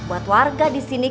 buat warga disini